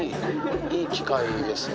いい機会ですね。